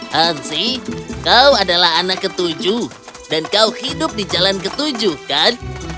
hansi kau adalah anak ketujuh dan kau hidup di jalan ketujuh kan